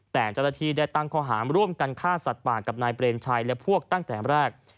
แต่เจ้าหน้าที่ได้ตั้งข้อหามร่วมกันฆ่าสัตว์ป่ากับนายเปรมชัยและพวกตั้งแต่แรก